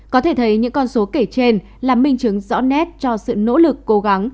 có thể thấy những con số kể trên là minh chứng rõ nét cho sự nỗ lực cố gắng